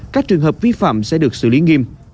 các trường hợp vi phạm sẽ được xử lý nghiêm